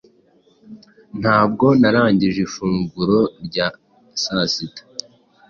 Ntabwo narangije ifunguro rya aita